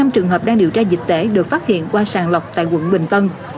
năm trường hợp đang điều tra dịch tễ được phát hiện qua sàng lọc tại quận bình tân